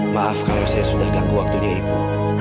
maaf karena saya sudah ganggu waktunya ibu